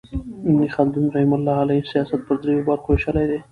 ابن خلدون رحمة الله علیه سیاست پر درو برخو ویشلی دئ.